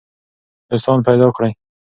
دوستان پیدا کړئ.